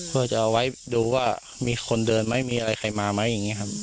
เพื่อจะเอาไว้ดูว่ามีคนเดินไหมมีอะไรใครมาไหมอย่างนี้ครับ